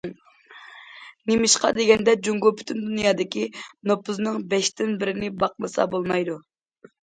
نېمىشقا دېگەندە جۇڭگو پۈتۈن دۇنيادىكى نوپۇزنىڭ بەشتىن بىرىنى باقمىسا بولمايدۇ.